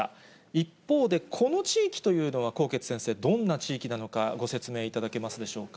一方で、この地域というのは纐纈先生、どんな地域なのか、ご説明いただけますでしょうか。